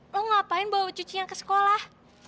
lu ngapain bawa cucian ke sekolah